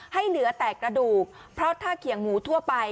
ให้เหลือแต่กระดูกเพราะถ้าเขียงหมูทั่วไป